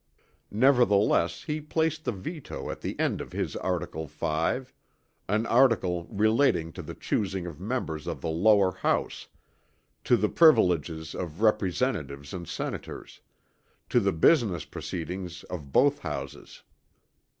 Nevertheless he placed the veto at the end of his article 5 an article relating to the choosing of members of the lower house; to the privileges of Representatives and Senators; to the business proceedings of both houses.